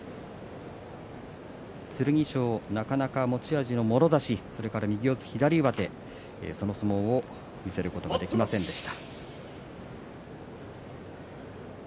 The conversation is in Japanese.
剣翔、なかなか持ち味のもろ差しそれから右四つ左上手その相撲を見せることができませんでした。